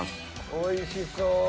おいしそう！